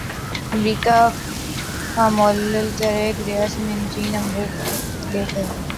امریکہ formula electric race میں Jean Eric بازی لے گئے